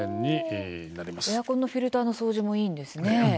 エアコンのフィルターの掃除もいいんですね。